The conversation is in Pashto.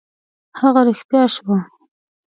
هغه رښتیا شوه.